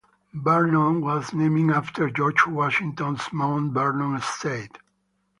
Vernon was named after George Washington's Mount Vernon estate.